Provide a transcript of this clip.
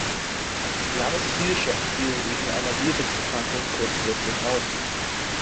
Lars Hielscher fiel wegen einer Viruserkrankung kurzfristig aus.